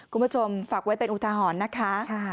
คุณผู้ชมฝากไว้เป็นอุทหรณ์นะคะ